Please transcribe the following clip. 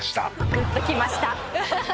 グッときました。